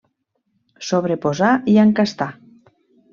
Sobreposar i encastar.